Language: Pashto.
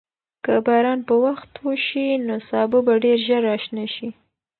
که باران په وخت وشي، نو سابه به ډېر ژر راشنه شي.